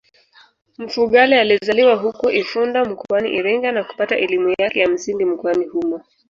Mfugale alizaliwa huko Ifunda mkoani Iringa na kupata elimu yake ya msingi mkoani humo